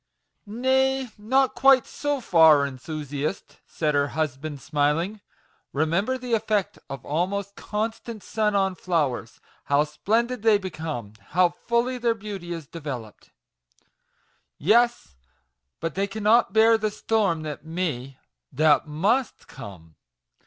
" Nay, not quite so far, enthusiast," said her husband, smiling; "remember the effect of almost constant sun on flowers ; how splen MAGIC WORDS. 21 did they become how fully their beauty is developed !"" Yes ; but they cannot bear the storm that may, that must come.